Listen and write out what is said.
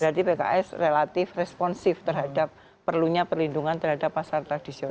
berarti pks relatif responsif terhadap perlunya perlindungan terhadap pasar tradisional